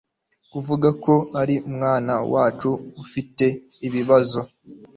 kuvuga ko ari umwana wacu ufite ibibazo